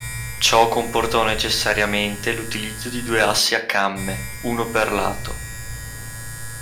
Ciò comportò necessariamente l'utilizzo di due assi a camme, uno per lato.